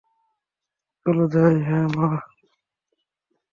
চলো যাই, - হ্যাঁ মা।